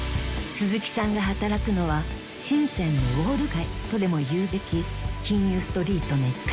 ［鈴木さんが働くのは深のウォール街とでもいうべき金融ストリートの一角］